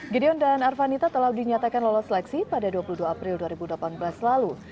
gideon dan arvanita telah dinyatakan lolos seleksi pada dua puluh dua april dua ribu delapan belas lalu